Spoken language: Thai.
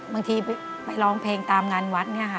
บางทีไปร้องเพลงตามงานวัดเนี่ยค่ะ